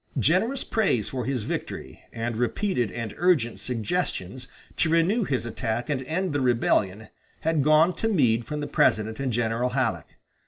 Generous praise for his victory, and repeated and urgent suggestions to renew his attack and end the rebellion, had gone to Meade from the President and General Halleck.